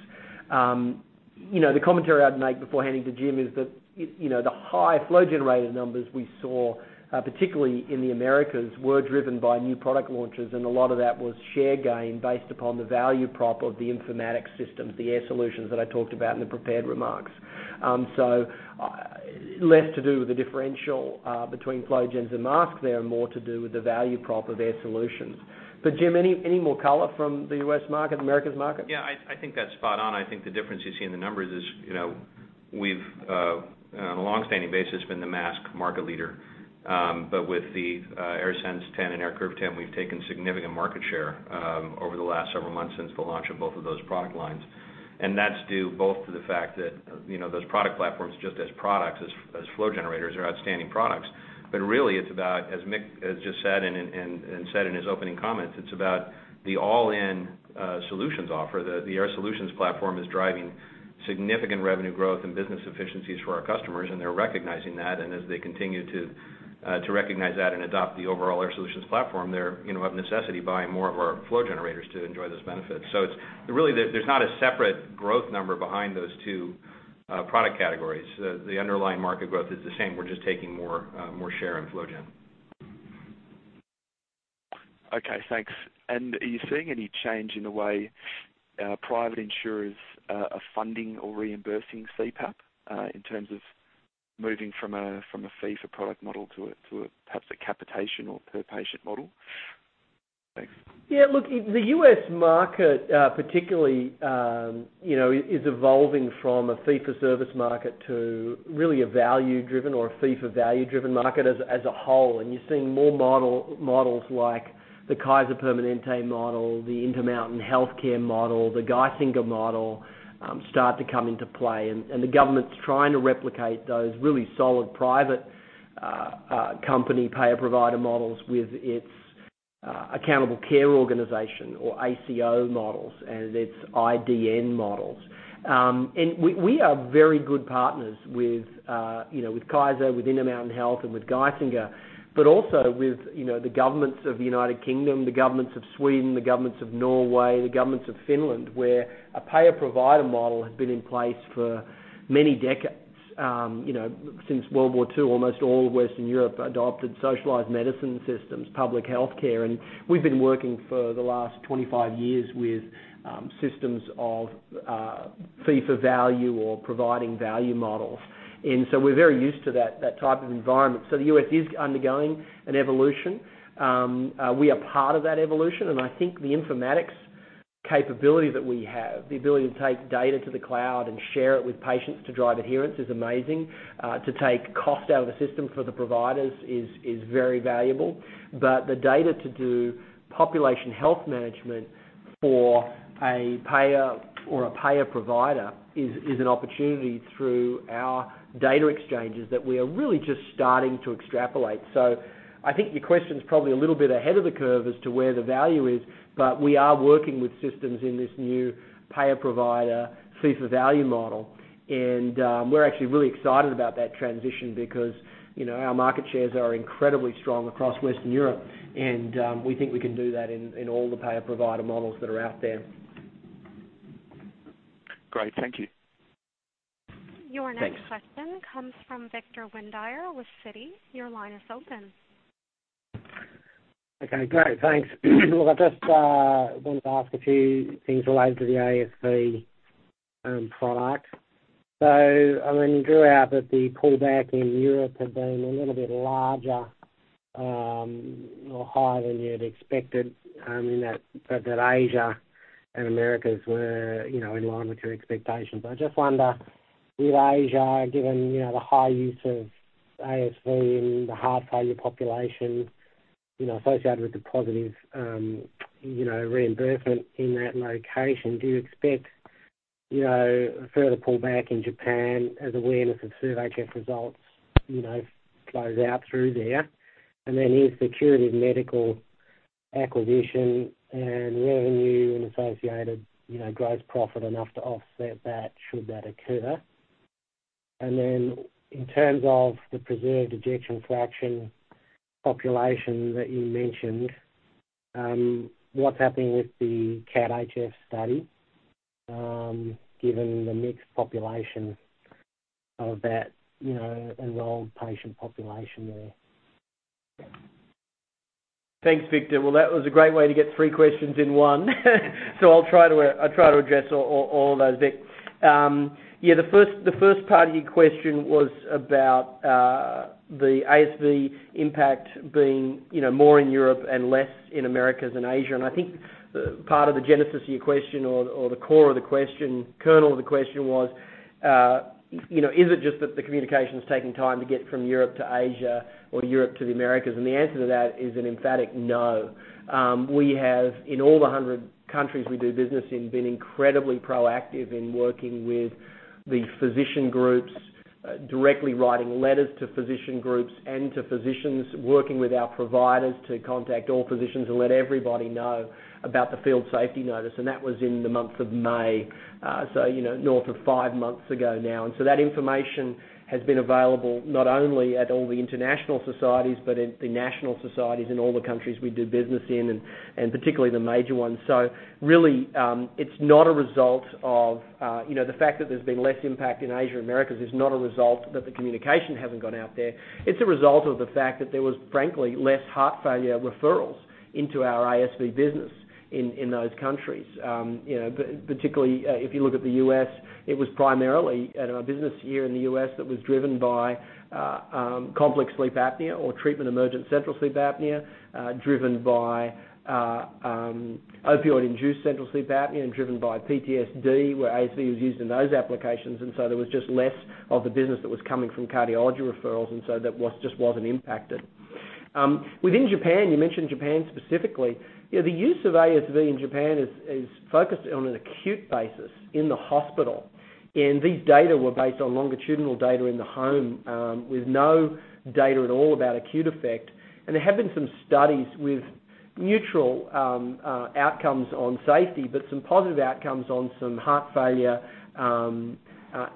The commentary I'd make before handing to Jim is that the high flow generator numbers we saw, particularly in the Americas, were driven by new product launches. A lot of that was share gain based upon the value prop of the informatics systems, the Air Solutions that I talked about in the prepared remarks. Less to do with the differential between flow gens and masks there, and more to do with the value prop of Air Solutions. Jim, any more color from the U.S. market, Americas market? Yeah, I think that's spot on. I think the difference you see in the numbers is we've, on a longstanding basis, been the mask market leader. With the AirSense 10 and AirCurve 10, we've taken significant market share over the last several months since the launch of both of those product lines. That's due both to the fact that those product platforms, just as products, as flow generators, are outstanding products. Really, it's about, as Mick has just said and said in his opening comments, it's about the all-in solutions offer. The Air Solutions platform is driving significant revenue growth and business efficiencies for our customers. They're recognizing that. As they continue to recognize that and adopt the overall Air Solutions platform, they, of necessity, buy more of our flow generators to enjoy those benefits. Really, there's not a separate growth number behind those two product categories. The underlying market growth is the same. We're just taking more share in flow gen. Okay, thanks. Are you seeing any change in the way private insurers are funding or reimbursing CPAP, in terms of moving from a fee-for-product model to perhaps a capitation or per-patient model? Thanks. The U.S. market, particularly, is evolving from a fee-for-service market to really a value-driven or a fee-for-value driven market as a whole. You're seeing more models like the Kaiser Permanente model, the Intermountain Healthcare model, the Geisinger model, start to come into play. The government's trying to replicate those really solid private company payer-provider models with its Accountable Care Organization, or ACO models and its IDN models. We are very good partners with Kaiser, with Intermountain Health, and with Geisinger, but also with the governments of the U.K., the governments of Sweden, the governments of Norway, the governments of Finland, where a payer-provider model has been in place for many decades. Since World War II, almost all Western Europe adopted socialized medicine systems, public health care. We've been working for the last 25 years with systems of fee-for-value or providing value models. We're very used to that type of environment. The U.S. is undergoing an evolution. We are part of that evolution. I think the informatics capability that we have, the ability to take data to the cloud and share it with patients to drive adherence is amazing. To take cost out of the system for the providers is very valuable. The data to do population health management for a payer or a payer provider is an opportunity through our data exchanges that we are really just starting to extrapolate. I think your question's probably a little bit ahead of the curve as to where the value is. We are working with systems in this new payer-provider fee-for-value model, and we're actually really excited about that transition because our market shares are incredibly strong across Western Europe, and we think we can do that in all the payer-provider models that are out there. Great. Thank you. Thanks. Your next question comes from Victor Windeyer with Citi. Your line is open. Great. Thanks. I just wanted to ask a few things related to the ASV product. You drew out that the pullback in Europe had been a little bit larger or higher than you had expected, but that Asia and Americas were in line with your expectations. I just wonder, with Asia, given the high use of ASV in the heart failure population associated with the positive reimbursement in that location, do you expect a further pullback in Japan as awareness of SERVE-HF results flows out through there? Is the Curative Medical acquisition and revenue and associated gross profit enough to offset that, should that occur? In terms of the preserved ejection fraction population that you mentioned, what's happening with the CAT-HF study, given the mixed population of that enrolled patient population there? Thanks, Victor. Well, that was a great way to get 3 questions in one. I'll try to address all of those, Vic. The first part of your question was about the ASV impact being more in Europe and less in Americas than Asia. I think part of the genesis of your question or the core of the question, kernel of the question was, is it just that the communication's taking time to get from Europe to Asia or Europe to the Americas? The answer to that is an emphatic no. We have, in all the 100 countries we do business in, been incredibly proactive in working with the physician groups, directly writing letters to physician groups and to physicians, working with our providers to contact all physicians and let everybody know about the field safety notice, and that was in the month of May, so north of five months ago now. That information has been available not only at all the international societies, but at the national societies in all the countries we do business in, and particularly the major ones. Really, the fact that there's been less impact in Asia and Americas is not a result that the communication hasn't gone out there. It's a result of the fact that there was, frankly, less heart failure referrals into our ASV business in those countries. Particularly, if you look at the U.S., it was primarily at our business here in the U.S. that was driven by complex sleep apnea or treatment-emergent central sleep apnea, driven by opioid-induced central sleep apnea, and driven by PTSD, where ASV was used in those applications. There was just less of the business that was coming from cardiology referrals, and so that just wasn't impacted. Within Japan, you mentioned Japan specifically. The use of ASV in Japan is focused on an acute basis in the hospital, and these data were based on longitudinal data in the home, with no data at all about acute effect. There have been some studies with neutral outcomes on safety, but some positive outcomes on some heart failure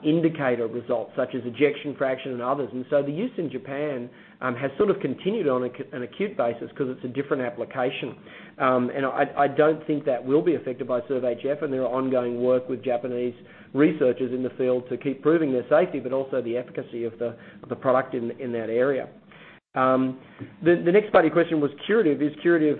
indicator results, such as ejection fraction and others. The use in Japan has sort of continued on an acute basis because it's a different application. I don't think that will be affected by SERVE-HF and their ongoing work with Japanese researchers in the field to keep proving their safety, but also the efficacy of the product in that area. The next part of your question was Curative. Is Curative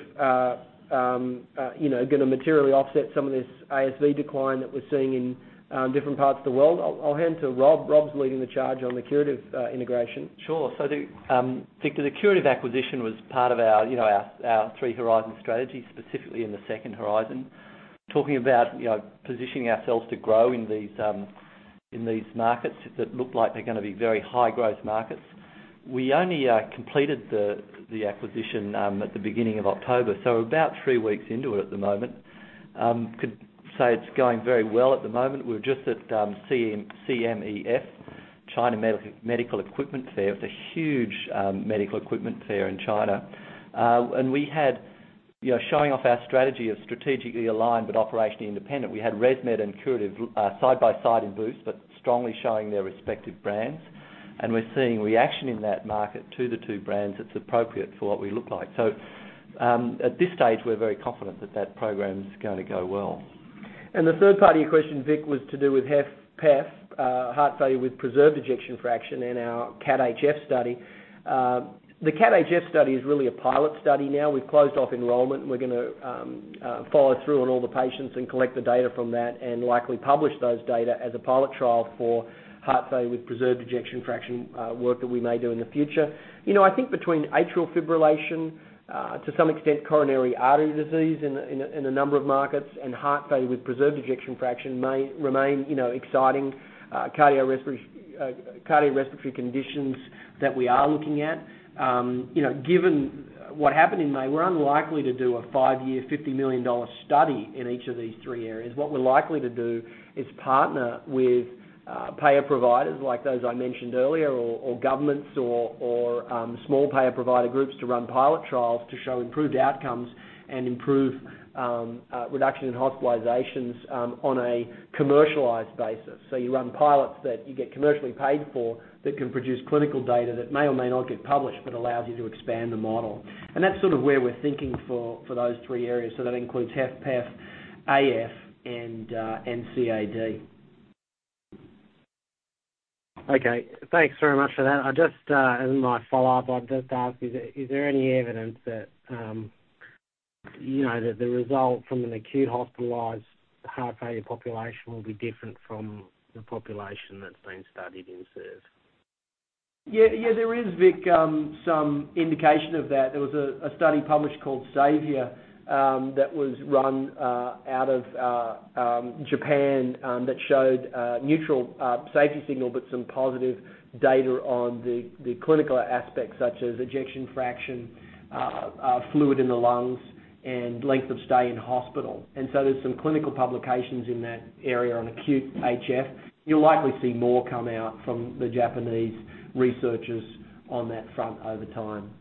going to materially offset some of this ASV decline that we're seeing in different parts of the world? I'll hand to Rob. Rob's leading the charge on the Curative integration. Sure. Victor, the Curative acquisition was part of our Three Horizons strategy, specifically in the second horizon, talking about positioning ourselves to grow in these markets that look like they're going to be very high growth markets. We only completed the acquisition at the beginning of October, so about three weeks into it at the moment. We could say it's going very well at the moment. We were just at CMEF, China Medical Equipment Fair. It's a huge medical equipment fair in China. We had, showing off our strategy of strategically aligned, but operationally independent. We had ResMed and Curative side by side in booths, but strongly showing their respective brands. We're seeing reaction in that market to the two brands that's appropriate for what we look like. At this stage, we're very confident that that program is going to go well. The third part of your question, Vic, was to do with HFpEF, Heart Failure with preserved Ejection Fraction, and our CAT-HF study. The CAT-HF study is really a pilot study now. We've closed off enrollment, and we're going to follow through on all the patients and collect the data from that and likely publish those data as a pilot trial for Heart Failure with preserved Ejection Fraction work that we may do in the future. I think between atrial fibrillation, to some extent, coronary artery disease in a number of markets, and Heart Failure with preserved Ejection Fraction may remain exciting cardiorespiratory conditions that we are looking at. Given what happened in May, we're unlikely to do a five-year, $50 million study in each of these three areas. What we're likely to do is partner with payer providers, like those I mentioned earlier, or governments or small payer provider groups to run pilot trials to show improved outcomes and improve reduction in hospitalizations on a commercialized basis. You run pilots that you get commercially paid for that can produce clinical data that may or may not get published, but allows you to expand the model. That's sort of where we're thinking for those three areas. That includes HFpEF, AF, and CAD. Thanks very much for that. As my follow-up, I'd just ask, is there any evidence that the result from an acute hospitalized heart failure population will be different from the population that's been studied in SERVE? Yeah, there is, Vic, some indication of that. There was a study published called SAVIOR-C that was run out of Japan, that showed a neutral safety signal, but some positive data on the clinical aspects, such as ejection fraction, fluid in the lungs, and length of stay in hospital. There's some clinical publications in that area on acute HF. You'll likely see more come out from the Japanese researchers on that front over time.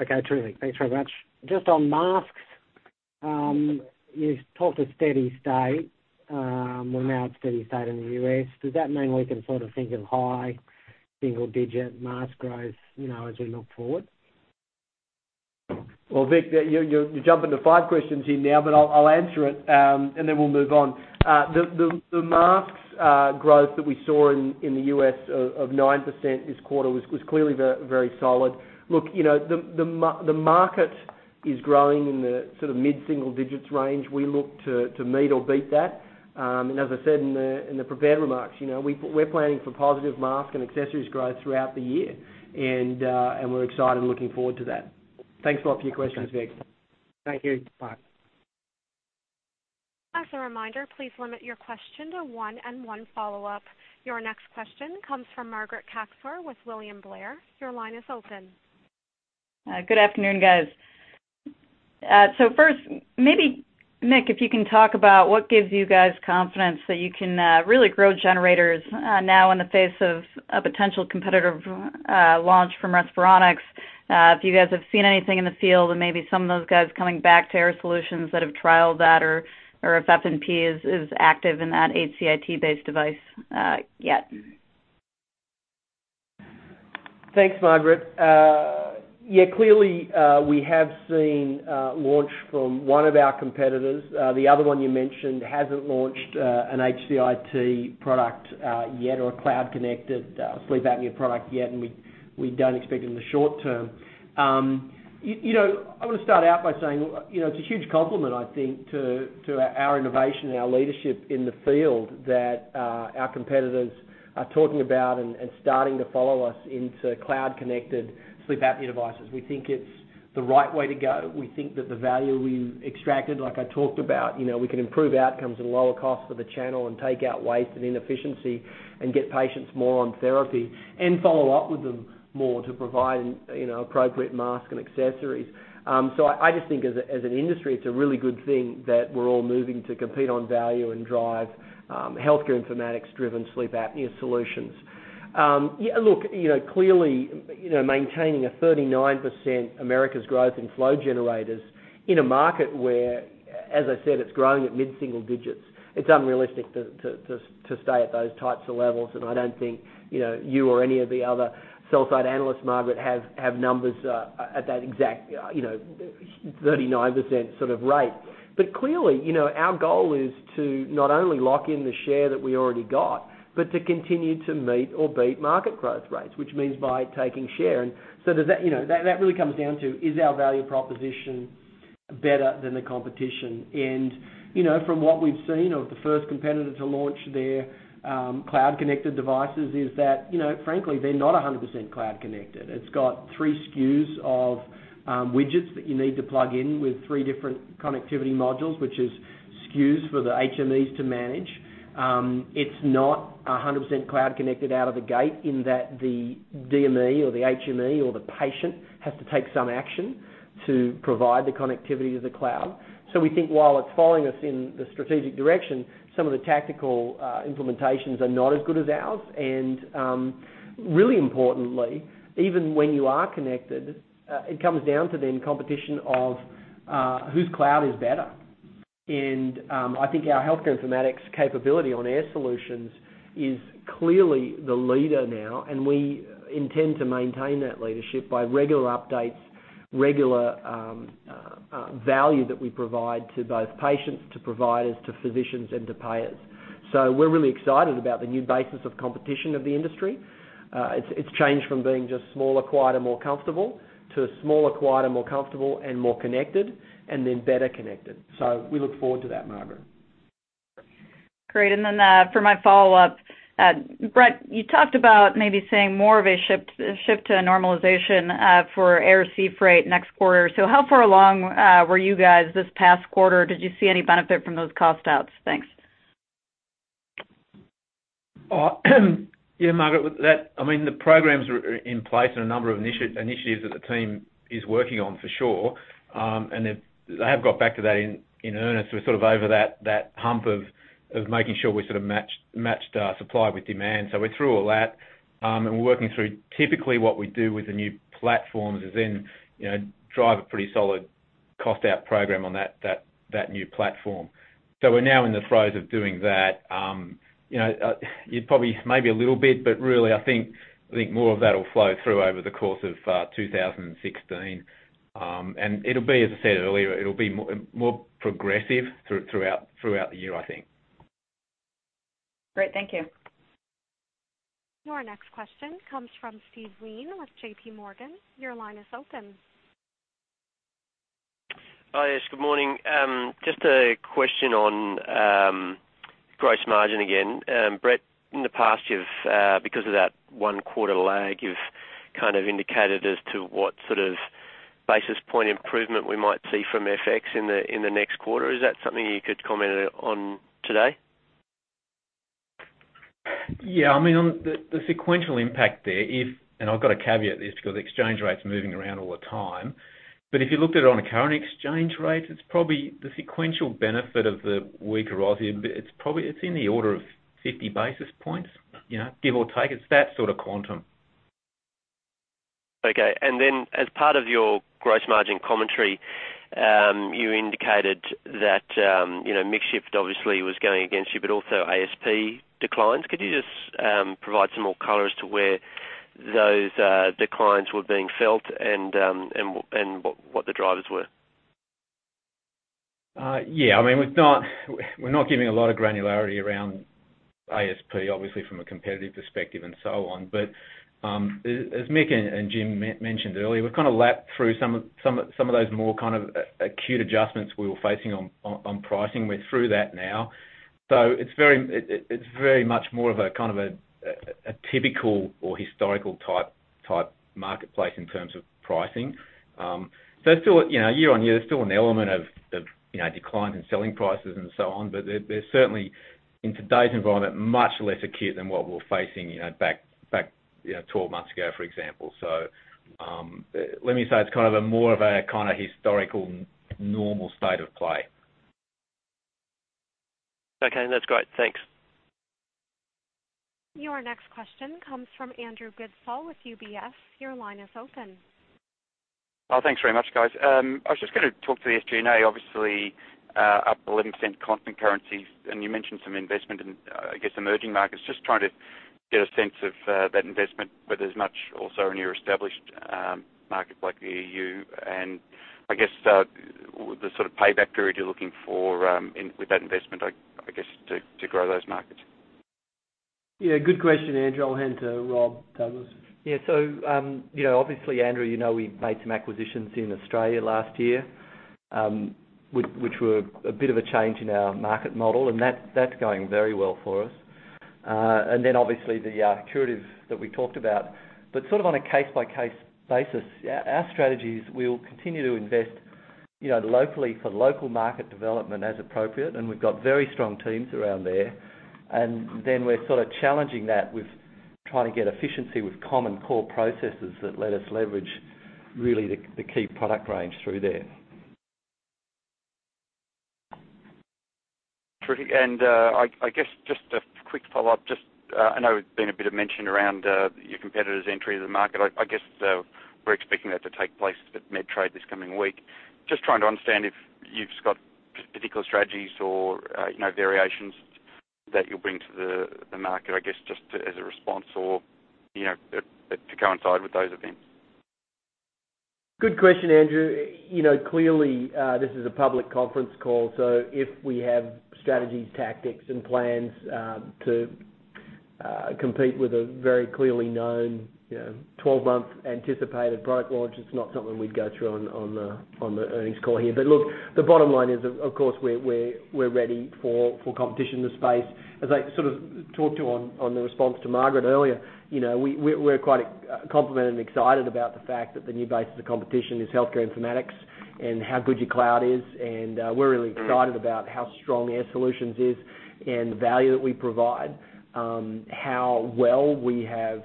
Okay, terrific. Thanks very much. Just on masks. You've talked a steady state. We're now at steady state in the U.S. Does that mean we can sort of think of high single-digit mask growth, as we look forward? Well, Vic, you're jumping to five questions here now, but I'll answer it, and then we'll move on. The masks growth that we saw in the U.S. of 9% this quarter was clearly very solid. Look, the market is growing in the mid-single digits range. We look to meet or beat that. As I said in the prepared remarks, we're planning for positive mask and accessories growth throughout the year. We're excited and looking forward to that. Thanks a lot for your questions, Vic. Thank you. Bye. As a reminder, please limit your question to one and one follow-up. Your next question comes from Margaret Kaczor with William Blair. Your line is open. Good afternoon, guys. First, maybe Mick, if you can talk about what gives you guys confidence that you can really grow generators now in the face of a potential competitive launch from Respironics. If you guys have seen anything in the field and maybe some of those guys coming back to Air Solutions that have trialed that or, if F&P is active in that HCIT-based device yet. Thanks, Margaret. Yeah, clearly, we have seen launch from one of our competitors. The other one you mentioned hasn't launched an HCIT product yet or a cloud-connected sleep apnea product yet, and we don't expect it in the short term. I want to start out by saying, it's a huge compliment, I think, to our innovation and our leadership in the field that our competitors are talking about and starting to follow us into cloud-connected sleep apnea devices. We think it's the right way to go. We think that the value we've extracted, like I talked about, we can improve outcomes and lower costs for the channel and take out waste and inefficiency and get patients more on therapy. Follow up with them more to provide appropriate mask and accessories. I just think as an industry, it's a really good thing that we're all moving to compete on value and drive healthcare informatics-driven sleep apnea solutions. Look, clearly, maintaining a 39% Americas growth in flow generators in a market where, as I said, it's growing at mid-single digits, it's unrealistic to stay at those types of levels, and I don't think you or any of the other sell-side analysts, Margaret, have numbers at that exact 39% sort of rate. Clearly, our goal is to not only lock in the share that we already got, but to continue to meet or beat market growth rates, which means by taking share. That really comes down to, is our value proposition better than the competition? From what we've seen of the first competitor to launch their cloud-connected devices is that, frankly, they're not 100% cloud connected. It's got three SKUs of widgets that you need to plug in with three different connectivity modules, which is SKUs for the HMEs to manage. It's not 100% cloud connected out of the gate in that the DME or the HME or the patient has to take some action to provide the connectivity to the cloud. We think while it's following us in the strategic direction, some of the tactical implementations are not as good as ours. Really importantly, even when you are connected, it comes down to then competition of whose cloud is better. I think our healthcare informatics capability on Air Solutions is clearly the leader now, and we intend to maintain that leadership by regular updates, regular value that we provide to both patients, to providers, to physicians, and to payers. We're really excited about the new basis of competition of the industry. It's changed from being just smaller, quieter, more comfortable, to smaller, quieter, more comfortable, and more connected, and then better connected. We look forward to that, Margaret. Great. For my follow-up, Brett, you talked about maybe seeing more of a shift to normalization for air/sea freight next quarter. How far along were you guys this past quarter? Did you see any benefit from those cost-outs? Thanks. Margaret, the programs are in place and a number of initiatives that the team is working on, for sure. They have got back to that in earnest. We're sort of over that hump of making sure we're sort of matched our supply with demand. We're through all that. We're working through, typically what we do with the new platforms is then drive a pretty solid cost-out program on that new platform. We're now in the throes of doing that. Maybe a little bit, really, I think more of that will flow through over the course of 2016. As I said earlier, it'll be more progressive throughout the year, I think. Great. Thank you. Your next question comes from Steve Wynne with JPMorgan. Your line is open. Hi. Yes, good morning. Just a question on gross margin again. Brett, in the past, because of that one quarter lag, you've kind of indicated as to what sort of basis point improvement we might see from FX in the next quarter. Is that something you could comment on today? Yeah. The sequential impact there, and I've got to caveat this because exchange rate's moving around all the time, but if you looked at it on a current exchange rate, the sequential benefit of the weaker Aussie, it's in the order of 50 basis points, give or take. It's that sort of quantum. Okay. As part of your gross margin commentary, you indicated that mix shift obviously was going against you, but also ASP declines. Could you just provide some more color as to where those declines were being felt and what the drivers were? Yeah. We're not giving a lot of granularity around ASP, obviously, from a competitive perspective and so on. As Mick and Jim mentioned earlier, we've kind of lapped through some of those more kind of acute adjustments we were facing on pricing. We're through that now. It's very much more of a kind of a typical or historical type marketplace in terms of pricing. Year-on-year, there's still an element of decline in selling prices and so on, but they're certainly, in today's environment, much less acute than what we were facing back 12 months ago, for example. Let me say, it's kind of a more of a kind of historical normal state of play. Okay, that's great. Thanks. Your next question comes from Andrew Goodsall with UBS. Your line is open. Thanks very much, guys. I was just going to talk to the SG&A, obviously up 11% constant currencies. You mentioned some investment in, I guess, emerging markets. Just trying to get a sense of that investment, whether there's much also in your established market like EU, and I guess, the sort of payback period you're looking for with that investment, I guess, to grow those markets. Yeah. Good question, Andrew. I'll hand to Rob Douglas. Yeah. Obviously, Andrew, you know we made some acquisitions in Australia last year, which were a bit of a change in our market model, and that's going very well for us. Obviously the Curative that we talked about. Sort of on a case-by-case basis, our strategy is we'll continue to invest locally for local market development as appropriate, and we've got very strong teams around there. We're sort of challenging that with trying to get efficiency with common core processes that let us leverage really the key product range through there. Terrific. I guess just a quick follow-up, I know there's been a bit of mention around your competitor's entry to the market. I guess we're expecting that to take place at Medtrade this coming week. Just trying to understand if you've got particular strategies or variations that you'll bring to the market, I guess, just as a response or to coincide with those events. Good question, Andrew. Clearly, this is a public conference call, so if we have strategies, tactics, and plans to compete with a very clearly known 12-month anticipated product launch. It's not something we'd go through on the earnings call here. Look, the bottom line is, of course, we're ready for competition in the space. As I sort of talked to on the response to Margaret earlier, we're quite complimented and excited about the fact that the new basis of competition is healthcare informatics and how good your cloud is, and we're really excited about how strong Air Solutions is and the value that we provide. How well we have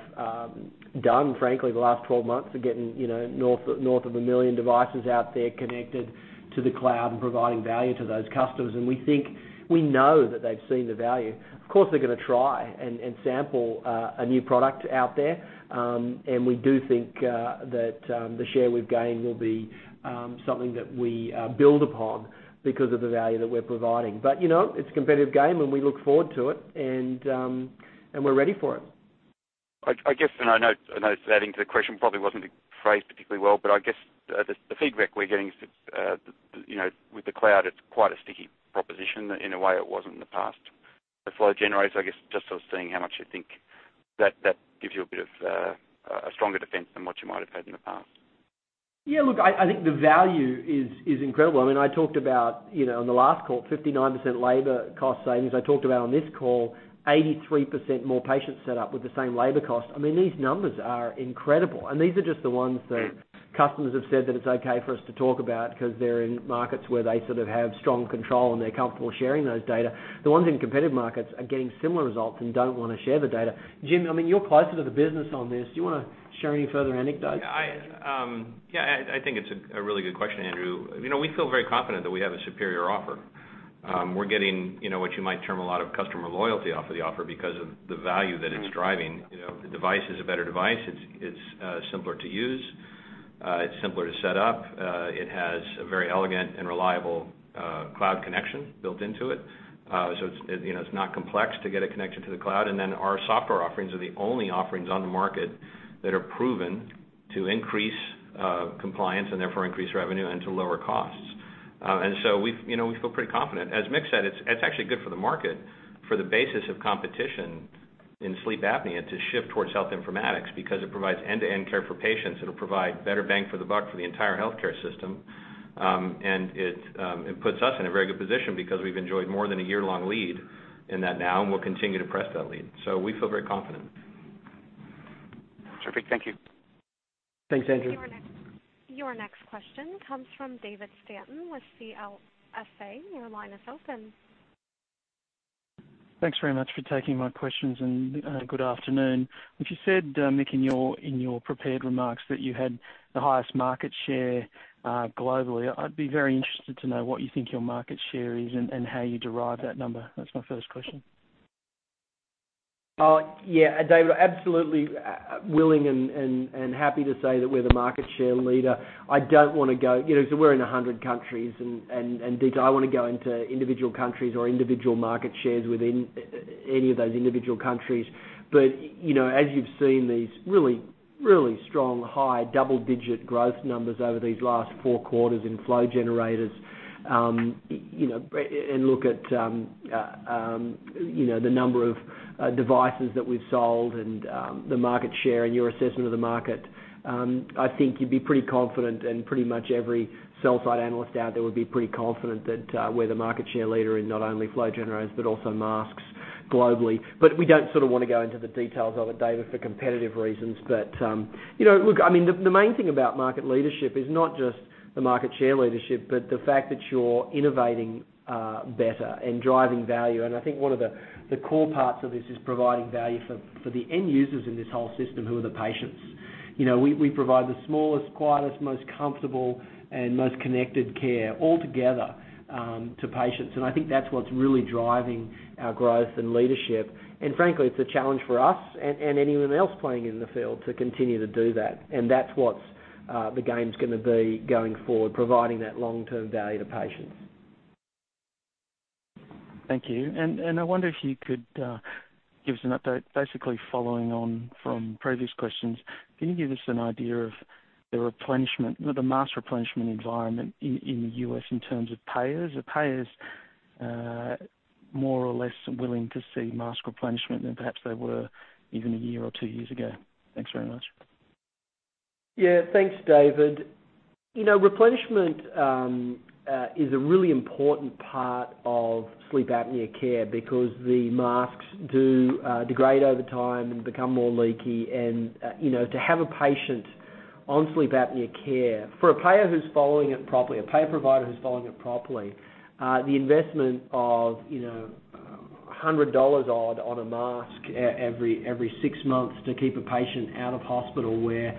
done, frankly, the last 12 months of getting north of a million devices out there connected to the cloud and providing value to those customers. We think we know that they've seen the value. Of course, they're going to try and sample a new product out there. We do think that the share we've gained will be something that we build upon because of the value that we're providing. It's a competitive game, and we look forward to it, and we're ready for it. I guess, I know adding to the question probably wasn't phrased particularly well, I guess the feedback we're getting is, with the cloud, it's quite a sticky proposition in a way it wasn't in the past. The flow generators, I guess, just sort of seeing how much you think that gives you a bit of a stronger defense than what you might have had in the past. Yeah, look, I think the value is incredible. I talked about, on the last call, 59% labor cost savings. I talked about on this call, 83% more patients set up with the same labor cost. These numbers are incredible. These are just the ones that customers have said that it's okay for us to talk about because they're in markets where they sort of have strong control, and they're comfortable sharing those data. The ones in competitive markets are getting similar results and don't want to share the data. Jim, you're closer to the business on this. Do you want to share any further anecdotes? I think it's a really good question, Andrew. We feel very confident that we have a superior offer. We're getting what you might term a lot of customer loyalty off of the offer because of the value that it's driving. The device is a better device. It's simpler to use. It's simpler to set up. It has a very elegant and reliable cloud connection built into it. It's not complex to get it connected to the cloud. Our software offerings are the only offerings on the market that are proven to increase compliance and therefore increase revenue and to lower costs. We feel pretty confident. As Mick said, it's actually good for the market for the basis of competition in sleep apnea to shift towards health informatics because it provides end-to-end care for patients. It'll provide better bang for the buck for the entire healthcare system. It puts us in a very good position because we've enjoyed more than a year-long lead in that now, and we'll continue to press that lead. We feel very confident. Terrific. Thank you. Thanks, Andrew. Your next question comes from David Stanton with CLSA. Your line is open. Thanks very much for taking my questions. Good afternoon. You said, Mick, in your prepared remarks that you had the highest market share globally. I'd be very interested to know what you think your market share is and how you derive that number. That's my first question. Yeah, David, absolutely willing and happy to say that we're the market share leader. We're in 100 countries, indeed, I want to go into individual countries or individual market shares within any of those individual countries. As you've seen these really, really strong, high double-digit growth numbers over these last four quarters in flow generators. Look at the number of devices that we've sold and the market share and your assessment of the market. I think you'd be pretty confident, and pretty much every sell side analyst out there would be pretty confident that we're the market share leader in not only flow generators, but also masks globally. We don't sort of want to go into the details of it, David, for competitive reasons. Look, the main thing about market leadership is not just the market share leadership, but the fact that you're innovating better and driving value, and I think one of the core parts of this is providing value for the end users in this whole system, who are the patients. We provide the smallest, quietest, most comfortable, and most connected care altogether to patients. I think that's what's really driving our growth and leadership. Frankly, it's a challenge for us and anyone else playing in the field to continue to do that. That's what the game's going to be going forward, providing that long-term value to patients. Thank you. I wonder if you could give us an update, basically following on from previous questions. Can you give us an idea of the replenishment, the mask replenishment environment in the U.S. in terms of payers? Are payers more or less willing to see mask replenishment than perhaps they were even a year or two years ago? Thanks very much. Yeah. Thanks, David. Replenishment is a really important part of sleep apnea care because the masks do degrade over time and become more leaky. To have a patient on sleep apnea care, for a payer who's following it properly, a payer provider who's following it properly, the investment of $100 odd on a mask every six months to keep a patient out of hospital where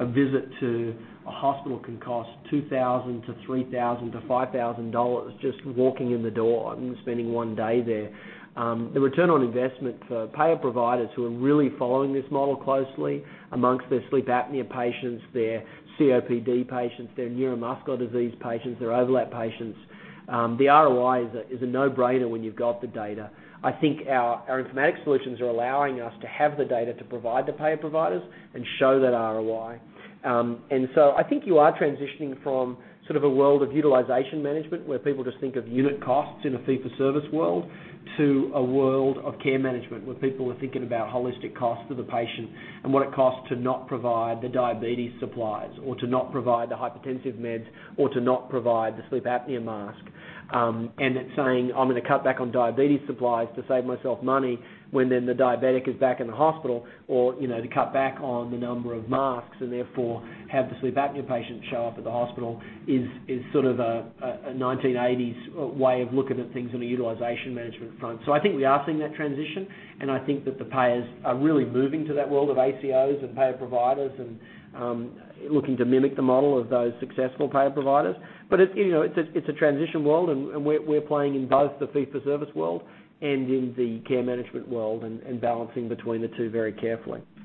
a visit to a hospital can cost $2,000-$3,000 to $5,000 just walking in the door and spending one day there. The return on investment for payer providers who are really following this model closely amongst their sleep apnea patients, their COPD patients, their neuromuscular disease patients, their overlap patients, the ROI is a no-brainer when you've got the data. I think our informatics solutions are allowing us to have the data to provide the payer providers and show that ROI. I think you are transitioning from sort of a world of utilization management, where people just think of unit costs in a fee-for-service world, to a world of care management, where people are thinking about holistic cost of the patient and what it costs to not provide the diabetes supplies or to not provide the hypertensive meds or to not provide the sleep apnea mask. It's saying, "I'm going to cut back on diabetes supplies to save myself money," when then the diabetic is back in the hospital, or to cut back on the number of masks and therefore have the sleep apnea patient show up at the hospital is sort of a 1980s way of looking at things on a utilization management front. I think we are seeing that transition, and I think that the payers are really moving to that world of ACOs and payer providers and looking to mimic the model of those successful payer providers. It's a transition world, and we're playing in both the fee-for-service world and in the care management world and balancing between the two very carefully. Thank you.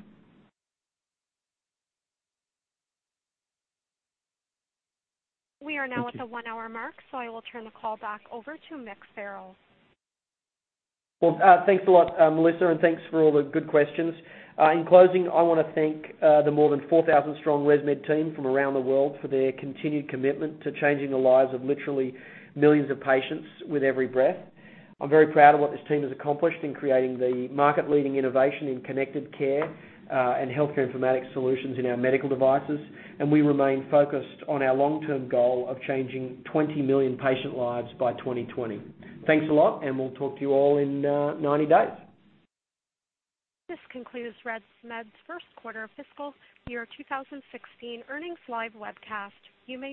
We are now at the one-hour mark, so I will turn the call back over to Mick Farrell. Well, thanks a lot, Melissa, and thanks for all the good questions. In closing, I want to thank the more than 4,000-strong ResMed team from around the world for their continued commitment to changing the lives of literally millions of patients with every breath. I'm very proud of what this team has accomplished in creating the market-leading innovation in connected care and healthcare informatics solutions in our medical devices, and we remain focused on our long-term goal of changing 20 million patient lives by 2020. Thanks a lot, and we'll talk to you all in 90 days. This concludes ResMed's first quarter of fiscal year 2016 earnings live webcast. You may now disconnect.